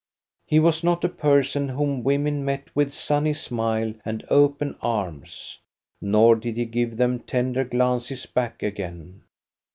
He was not a person whom women meet with sunny smile and open arms, nor did he give them tender glances back again.